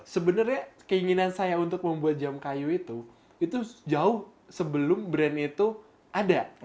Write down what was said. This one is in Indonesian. sebenarnya keinginan saya untuk membuat jam kayu itu itu jauh sebelum brand itu ada